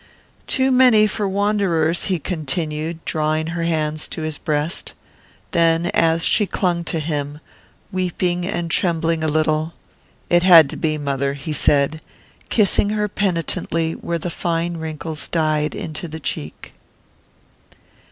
"Too many for wanderers," he continued, drawing her hands to his breast; then, as she clung to him, weeping and trembling a little: "It had to be, mother," he said, kissing her penitently where the fine wrinkles died into the cheek.